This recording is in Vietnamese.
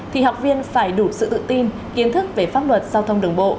thì học viên phải đủ sự tự tin kiến thức về pháp luật giao thông đường bộ